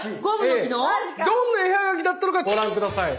どんな絵はがきだったのかご覧下さい。